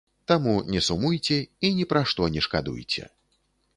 Таму не сумуйце і ні пра што не шкадуйце.